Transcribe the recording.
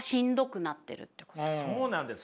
そうなんです。